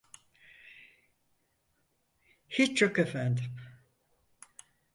Hiç yok efendim.